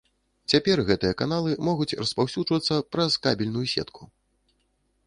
Цяпер гэтыя каналы могуць распаўсюджвацца праз кабельную сетку.